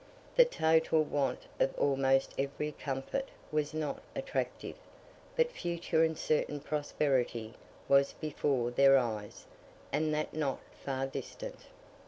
The total want of almost every comfort was not attractive; but future and certain prosperity was before their eyes, and that not far distant.